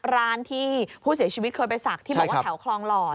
ร้านที่ผู้เสียชีวิตเคยไปศักดิ์ที่บอกว่าแถวคลองหล่อ